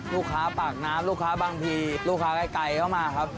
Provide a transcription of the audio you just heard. ลูกค้าปากน้ำลูกค้าบางทีลูกค้าใกล้เข้ามาครับ